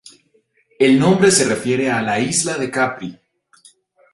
El nombre se refiere a la Isla de Capri.